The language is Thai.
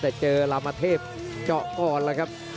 นี่ครับหลิวพยายามจะเน้นที่เจาะยางเหมือนกันครับ